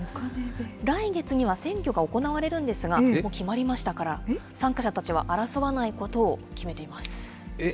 来月には選挙が行われるんですが、もう決まりましたから、参加者たちは、争わないことを決めえっ？